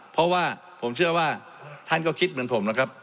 เพราะว่าผมเชื่อว่าท่านก็คิดเหมือนผมแล้วครับ